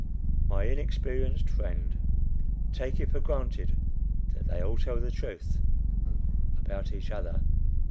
My inexperienced friend, take it for granted that they all tell the truth about each other!